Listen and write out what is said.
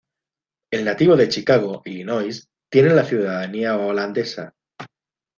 El nativo de Chicago, Illinois tiene la ciudadanía holandesa.